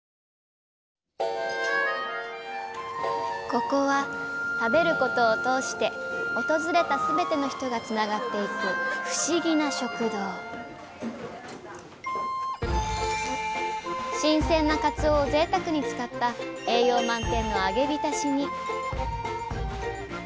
ここは「食べること」を通して訪れたすべての人がつながっていく新鮮な鰹をぜいたくに使った栄養満点の揚げびたしに。